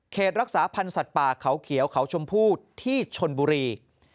รักษาพันธ์สัตว์ป่าเขาเขียวเขาชมพู่ที่ชนบุรี